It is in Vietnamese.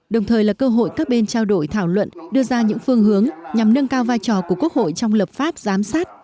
đồng thời là cơ hội các bên trao đổi thảo luận đưa ra những phương hướng nhằm nâng cao vai trò của quốc hội trong lập pháp giám sát